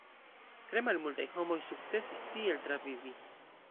Tre malmultaj homoj sukcesis tiel travivi.